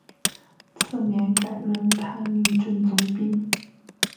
次年改任泰宁镇总兵。